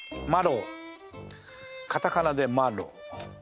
カタカナでマロウ。